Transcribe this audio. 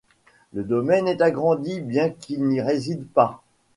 Le domaine est agrandi, bien qu'ils n'y résident pas.